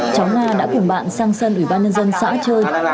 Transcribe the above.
cháu nga đã cùng bạn sang sân ủy ban nhân dân xã chơi